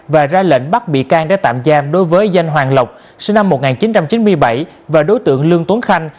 và ra lệnh bắt bị can để tạm giam đối với danh hoàng lộc sinh năm một nghìn chín trăm chín mươi bảy và đối tượng lương tuấn khanh